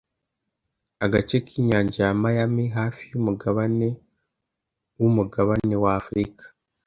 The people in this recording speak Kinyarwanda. Agace k'inyanja ya Miami, hafi y’umugabane w'umugabane wa Afurika,